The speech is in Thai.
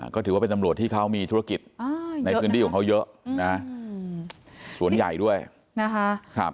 ก็ถือว่าเป็นตำรวจที่เขามีธุรกิจในพื้นที่ของเขาเยอะนะสวนใหญ่ด้วยนะคะ